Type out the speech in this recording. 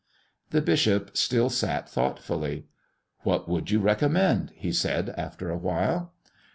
The bishop still sat thoughtfully. "What would you recommend?" he said, after a while.